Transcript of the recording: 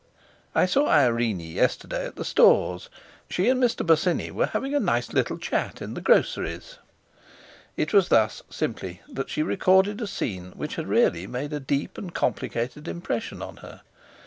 "I saw Irene yesterday at the Stores; she and Mr. Bosinney were having a nice little chat in the Groceries." It was thus, simply, that she recorded a scene which had really made a deep and complicated impression on her.